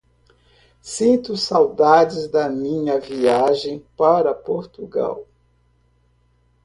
Sinto saudades da minha viagem para Portugal.